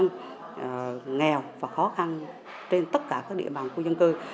những người dân nghèo và khó khăn trên tất cả các địa bàn của dân cư